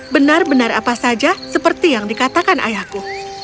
benar benar apa saja seperti yang dikatakan ayahku